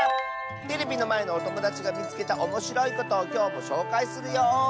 テレビのまえのおともだちがみつけたおもしろいことをきょうもしょうかいするよ！